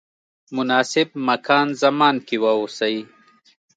مناسب مکان زمان کې واوسئ.